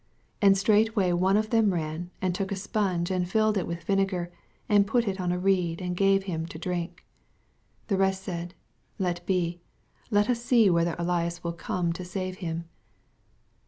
48 And straightway one of thom ran. and took a spunge^ and filled U witn vinegar, and put tt on a reed, and gave him to dnnk. 49 The rest said. Let be, let us see whether Ellas will come to save him.